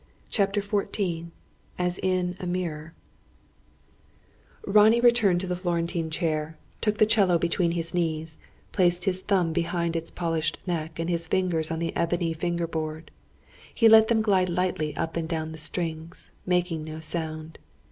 CHAPTER XIV "AS IN A MIRROR" Ronnie returned to the Florentine chair, took the 'cello between his knees, placed his thumb behind its polished neck and his fingers on the ebony finger board. He let them glide lightly up and down the strings, making no sound.